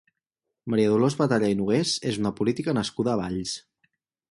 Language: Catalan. Maria Dolors Batalla i Nogués és una política nascuda a Valls.